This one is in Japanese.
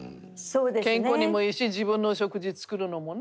健康にもいいし自分の食事作るのもね。